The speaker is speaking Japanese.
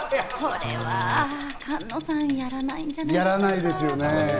それは菅野さんのやらないんじゃないでしょうか。